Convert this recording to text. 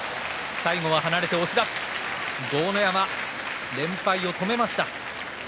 最後は離れて押し出し、豪ノ山連敗を止めました。